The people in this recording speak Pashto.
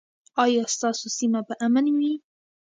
ایا ستاسو سیمه به امن وي؟